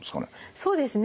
そうですね。